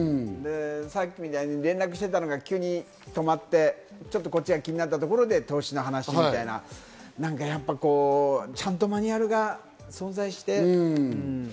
さっきみたいに連絡していたのが急に止まって、こっちが気になったところで投資の話みたいな。ちゃんとマニュアルが存在して。